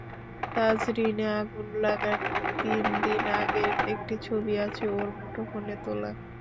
তাজরীনে আগুন লাগার তিন দিন আগের একটি ছবি আছে ওর, মুঠোফোনে তোলা।